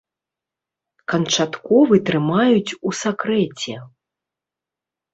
Канчатковы трымаюць у сакрэце.